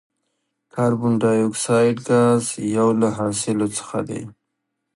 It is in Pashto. کاربن ډای اکساید ګاز یو له حاصلو څخه دی.